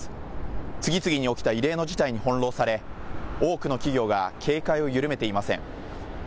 次々に起きた異例の事態に翻弄され多くの企業が警戒を緩めていません。